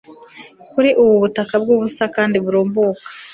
kuri ubu butaka bwubusa kandi burumbuka